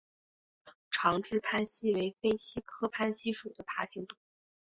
长肢攀蜥为飞蜥科攀蜥属的爬行动物。